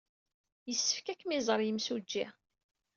Yessefk ad kem-iẓer yemsujji.